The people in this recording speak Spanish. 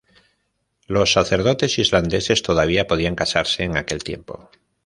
Los sacerdotes islandeses todavía podían casarse en aquel tiempo.